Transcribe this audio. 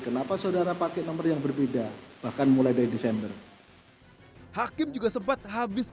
kenapa saudara pakai nomor yang berbeda bahkan mulai dari desember hakim juga sempat habis